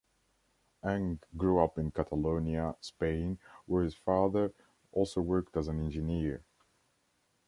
Engh grew up in Catalonia, Spain, where his father also worked as an engineer.